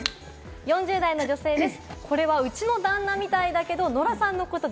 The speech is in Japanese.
４０代の女性です。